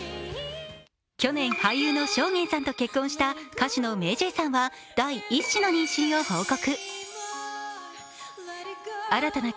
去年、俳優の尚玄さんと結婚した歌手のＭａｙＪ．さんは第１子の妊娠を報告。